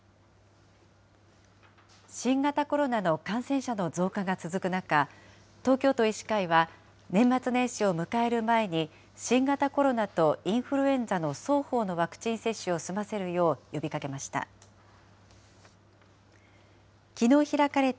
新型コロナの感染者の増加が続く中、東京都医師会は、年末年始を迎える前に、新型コロナとインフルエンザの双方のワクチン接種を済ませるよう呼びかけました。